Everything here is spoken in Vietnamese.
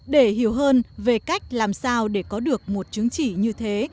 để hiểu hơn về cách làm sao để có được một chứng chỉ như thế